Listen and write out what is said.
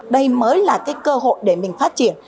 đây mới là cơ hội để mình phát triển